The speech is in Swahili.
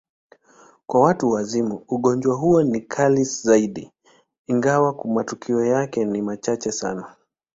Kwa watu wazima, ugonjwa huo ni kali zaidi, ingawa matukio yake ni machache sana.